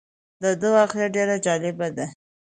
دده واقعه ډېره جالبه ده.